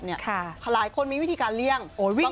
หลายคนมีวิธีการเลี่ยง